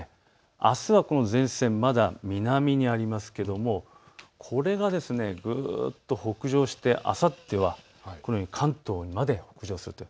あすはこの前線、まだ南にありますけどもこれがぐっと北上して、あさっては関東まで北上すると。